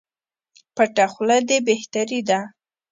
پټه خوله دي بهتري ده